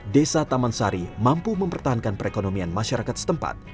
desa taman sari mampu mempertahankan perekonomian masyarakat setempat